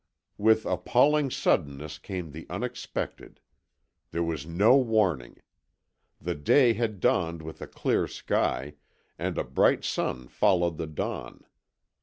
With appalling suddenness came the unexpected. There was no warning. The day had dawned with a clear sky, and a bright sun followed the dawn.